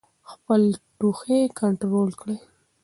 خپل ټوخی کنټرول کړئ.